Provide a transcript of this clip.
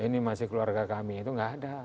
ini masih keluarga kami itu nggak ada